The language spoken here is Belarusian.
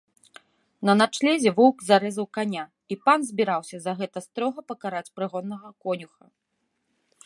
На начлезе воўк зарэзаў каня, і пан збіраўся за гэта строга пакараць прыгоннага конюха.